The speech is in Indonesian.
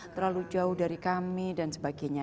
terlalu jauh dari kami dan sebagainya